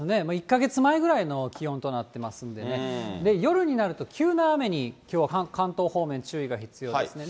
１か月前ぐらいの気温となってますんでね、夜になると急な雨に、きょうは関東方面、注意が必要ですね。